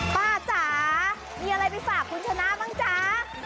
ป้าจ๋ามีอะไรไปฝากคุณชนะบ้างจ๊ะ